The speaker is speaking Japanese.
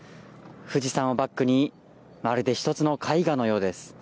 富士山をバックに、まるで一つの絵画のようです。